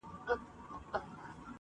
د انغري له خوانه خړې سونډې بيا راغلله.